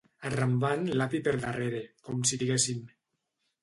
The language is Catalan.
Arrambant l'api per darrere, com si diguéssim.